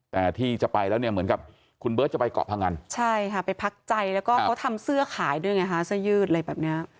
แต่ที่จะไปแล้วเนี่ยเหมือนกับคุณเบิร์ตจะไปเกาะพงันใช่ค่ะไปพักใจแล้วก็เขาทำเสื้อขายด้วยไงฮะเสื้อยืดอะไรแบบเนี้ย